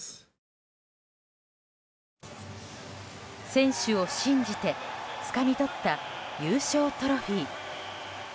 選手を信じてつかみ取った優勝トロフィー。